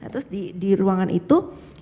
terus di ruangan itu